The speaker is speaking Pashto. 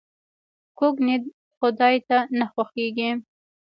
کوږ نیت خداي ته نه خوښیږي